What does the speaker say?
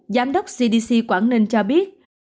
giám đốc cdc quảng ninh cho biết